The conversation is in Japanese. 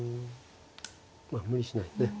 まあ無理しないでね。